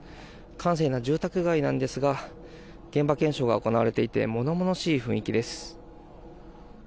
閑静な住宅街なんですが現場検証が行われていて物々しい雰囲気です。